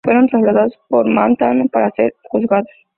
Fueron trasladados a Manhattan para ser juzgados.